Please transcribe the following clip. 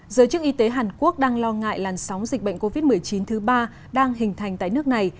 giới chức y tế hàn quốc đang lo ngại làn sóng dịch bệnh covid một mươi chín thứ ba đang hình thành tại nước này